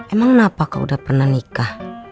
emang kenapa kau udah pernah nikah